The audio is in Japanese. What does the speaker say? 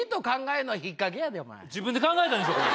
自分で考えたんでしょこれ。